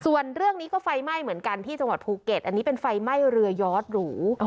ส่วนเรื่องนี้ก็ไฟไหม้เหมือนกันที่จังหวัดภูเก็ตอันนี้เป็นไฟไหม้เรือยอดหรู